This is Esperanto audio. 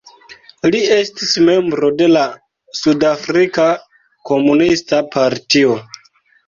Li estis membro de la Sudafrika Komunista Partio.